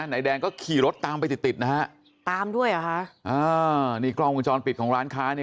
นายแดงก็ขี่รถตามไปติดติดนะฮะตามด้วยเหรอคะอ่านี่กล้องวงจรปิดของร้านค้าเนี่ย